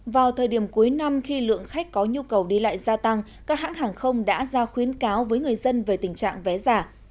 vào thời điểm cuối năm khi lượng khách có nhu cầu đi lại gia tăng các hãng hàng không đã ra khuyến cáo với người dân về tình trạng vé giả